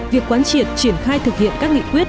việc quán triệt triển khai thực hiện các nghị quyết